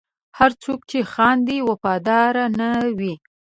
هر څوک چې خاندي، وفادار نه وي.